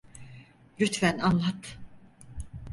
Lütfen anlat.